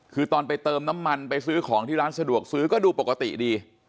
คือตอนไปเติมน้ำมันไปซื้อของที่ร้านสะดวกซื้อก็ดูปกติดี